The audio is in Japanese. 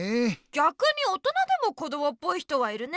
ぎゃくに大人でもこどもっぽい人はいるね。